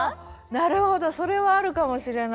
なるほどそれはあるかもしれない。